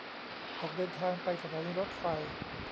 ออกเดินทางไปสถานีรถไฟ